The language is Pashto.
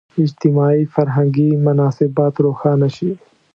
اجتماعي – فرهنګي مناسبات روښانه شي.